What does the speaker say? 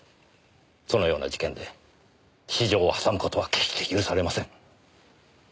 そのような事件で私情を挟む事は決して許されません。